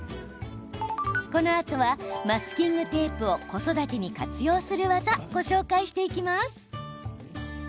このあとは、マスキングテープを子育てに活用する技ご紹介していきます。